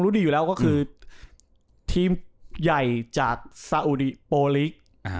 ดีอยู่แล้วก็คือทีมใหญ่จากซาอุดิโปลิก